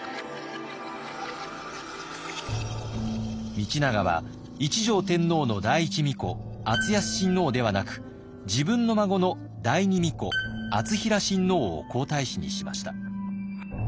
道長は一条天皇の第一皇子敦康親王ではなく自分の孫の第二皇子敦成親王を皇太子にしました。